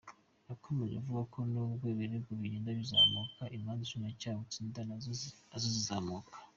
Yakomeje avuga ko nubwo ibirego bigenda bizamuka, imanza ubushinjacyaha butsinda na zo zigenda zizamuka.